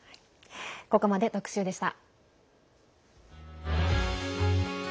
ここまで特集でした。